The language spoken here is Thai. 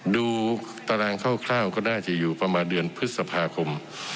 ดูตารางเค้าคล้าวก็ด้วยเจออยู่ประมาณเดือนพฤษภาคม